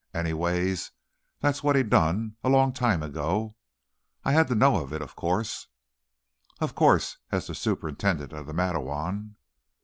Anyways, that's what he done, a long time ago. I had to know of it, of course, " "Of course, as superintendent of the Matteawan."